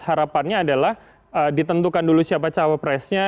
harapannya adalah ditentukan dulu siapa cawapresnya